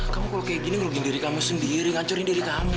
kamu kalau kayak gini ngerugin diri kamu sendiri ngancurin diri kami